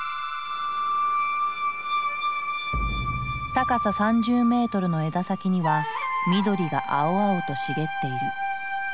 高さ３０メートルの枝先には緑が青々と茂っている。